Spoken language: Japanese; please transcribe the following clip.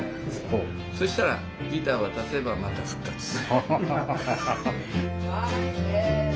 そしたらギター渡せばまた復活する。